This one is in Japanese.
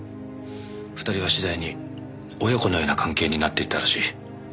２人は次第に親子のような関係になっていったらしい。